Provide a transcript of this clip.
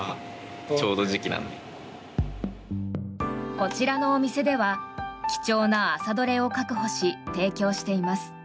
こちらのお店では貴重な朝取れを確保し提供しています。